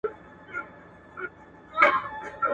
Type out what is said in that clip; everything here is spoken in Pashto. غوړ د انرژۍ اوږدمهاله سرچینه ده؟